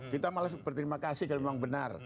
kita malah berterima kasih kalau memang benar